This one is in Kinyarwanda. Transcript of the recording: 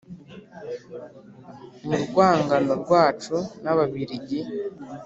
Mu rwangano rwacu n'ababiligi